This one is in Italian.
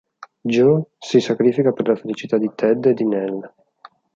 Joe si sacrifica per la felicità di Ted e di Nell.